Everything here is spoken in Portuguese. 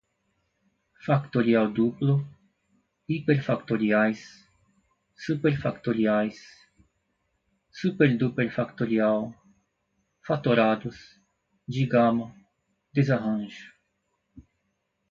factorial duplo, hiperfactoriais, superfactoriais, superduperfatorial, fatorados, digama, desarranjo